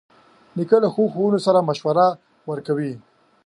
نیکه له ښو ښوونو سره مشوره ورکوي.